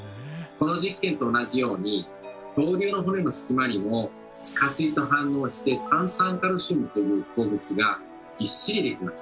この実験と同じように恐竜の骨の隙間にも地下水と反応して炭酸カルシウムという鉱物がぎっしりできます。